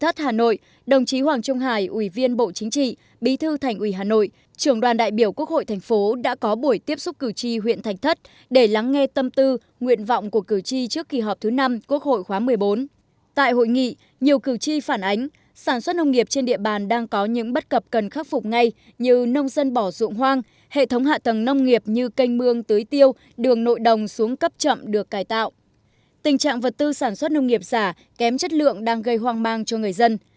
tình trạng vật tư sản xuất nông nghiệp giả kém chất lượng đang gây hoang mang cho người dân